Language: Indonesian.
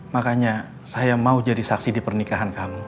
makanya saya mau jadi saksi di pernikahan kami